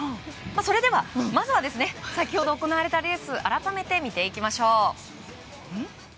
それではまずは先ほど行われたレースを改めて見ていきましょう。